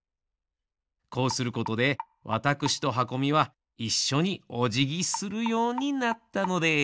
こうすることでわたくしとはこみはいっしょにおじぎするようになったのです。